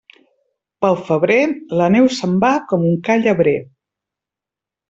Pel febrer, la neu se'n va com un ca llebrer.